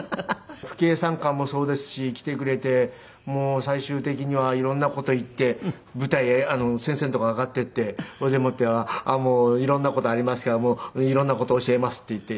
父兄参観もそうですし来てくれてもう最終的には色んな事言って舞台先生の所上がっていってそれでもって「もう色んな事ありますけども色んな事教えます」って言って。